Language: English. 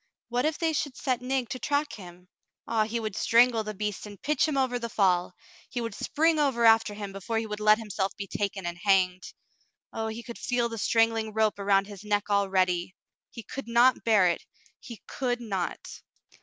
What if they should set Nig to track him ! Ah, he would strangle the beast and pitch him over the fall. He would spring over after him before he would let himself be taken and hanged. Oh, he could feel the strangling rope around his neck already ! He could not bear it — he could not